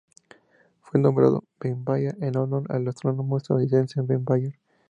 Fue nombrado Ben Mayer en honor al astrónomo estadounidense Ben Mayer.